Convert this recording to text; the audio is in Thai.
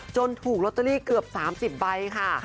ถูกลอตเตอรี่เกือบ๓๐ใบค่ะ